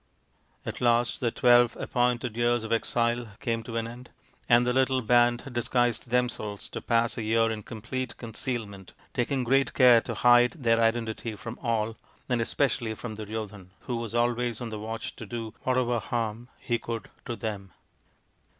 At last the twelve appointed years of exile came to an end, and the little band disguised themselves to pass a year in complete concealment, taking great care to hide their identity from all, and especially from Duryodhan, who was always on the watch to do whatever harm he could to them.